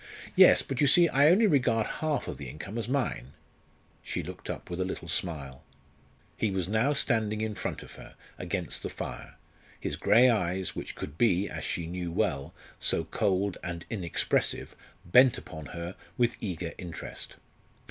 "Yes; but you see I only regard half of the income as mine." She looked up with a little smile. He was now standing in front of her, against the fire, his grey eyes, which could be, as she well knew, so cold and inexpressive, bent upon her with eager interest.